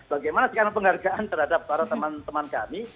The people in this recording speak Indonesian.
bagaimana sekarang penghargaan terhadap para teman teman kami